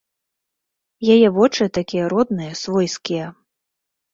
Яе вочы такія родныя, свойскія.